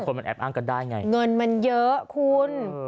มันแอบอ้างกันได้ไงเงินมันเยอะคุณ